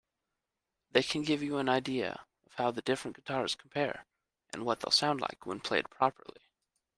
They can give you an idea of how the different guitars compare and what they'll sound like when played properly.